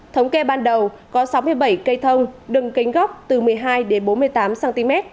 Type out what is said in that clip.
thống kê ban đầu có sáu mươi bảy cây thông đường kính gốc từ một mươi hai bốn mươi tám cm